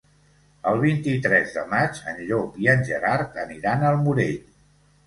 El vint-i-tres de maig en Llop i en Gerard aniran al Morell.